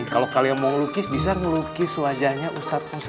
kalau kalian mau melukis bisa melukis wajahnya ustadz mustafa